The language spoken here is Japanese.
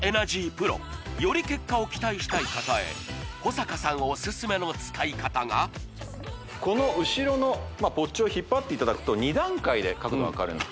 ＰＲＯより結果を期待したい方へ保坂さんオススメの使い方がこの後ろのポッチを引っ張っていただくと２段階で角度が変わるんです